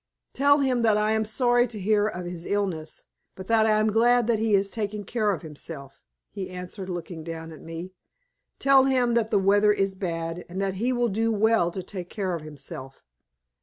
"Tell him that I am sorry to hear of his illness, but that I am glad that he is taking care of himself," he answered, looking down at me. "Tell him that the weather is bad, and that he will do well to take care of himself.